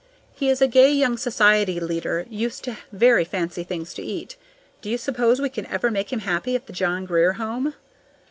He is a gay young society leader, used to very fancy things to eat. Do you suppose we can ever make him happy at the John Grier Home?